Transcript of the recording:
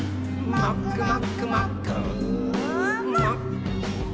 「もっくもっくもっくー」